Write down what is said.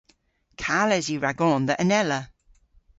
Kales yw ragon dhe anella.